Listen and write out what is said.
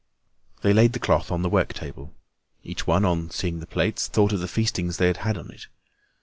They laid the cloth on the work table. Each one, on seeing the plates, thought of the feastings they had had on it.